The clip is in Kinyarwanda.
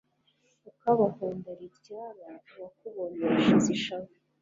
Ukabahonda rityara uwakubonye yashize ishavu